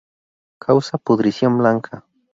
Causa pudrición blanca.